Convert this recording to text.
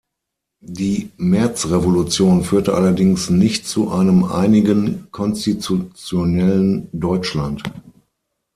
Die Märzrevolution führte allerdings nicht zu einem einigen, konstitutionellen Deutschland.